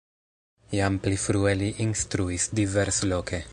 Jam pli frue li instruis diversloke.